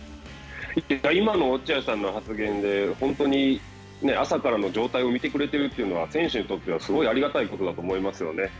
今の落合さんの発言で本当に朝からの状態を見てくれているというのは選手にとってはすごいありがたいことだと思いますよね。